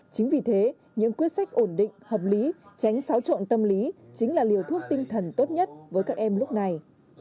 chính vì thế những quyết sách ổn định hợp lý tránh xáo trộn tâm lý chính là liều thuốc tinh thần tốt nhất với các em lúc này